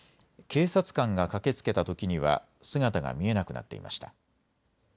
警察官が駆けつけたときには姿が見えなくなっていました。